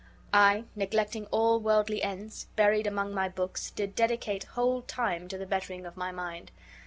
1, neglecting all worldly ends, buried among my books, did dedicate whole time to the bettering of my mind.